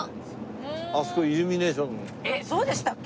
そうでしたっけ？